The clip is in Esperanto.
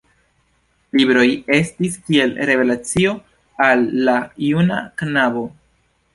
Libroj estis kiel revelacio al la juna knabo.